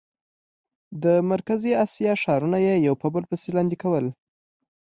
د مرکزي اسیا ښارونه یې یو په بل پسې لاندې کول.